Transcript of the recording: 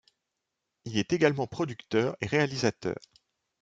Il est également producteur et réalisateur.